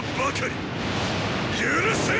許せん！